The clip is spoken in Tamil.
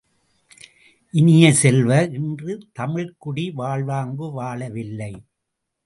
இனிய செல்வ, இன்று தமிழ்க்குடி வாழ்வாங்கு வாழவில்லை!